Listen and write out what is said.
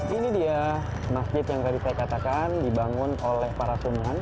ini dia masjid yang tadi saya katakan dibangun oleh para sunan